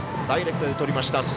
ダイレクトでとりました。